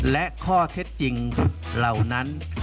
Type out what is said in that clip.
และข้อเท็จจริงเหล่านั้น